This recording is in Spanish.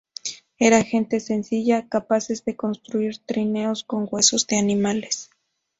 Eran gente sencilla, capaces de construir trineos con huesos de animales.